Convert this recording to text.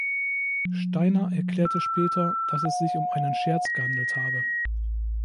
Steiner erklärte später, dass es sich um einen Scherz gehandelt habe.